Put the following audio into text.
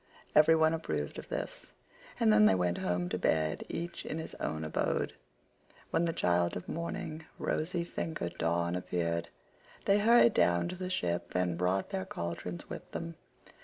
Every one approved of this, and then they went home to bed each in his own abode. When the child of morning, rosy fingered Dawn, appeared they hurried down to the ship and brought their cauldrons with them.